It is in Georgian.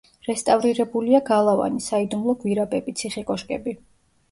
რესტავრირებულია გალავანი, საიდუმლო გვირაბები, ციხე-კოშკები.